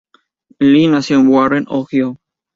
Lee nació en Warren, Ohio.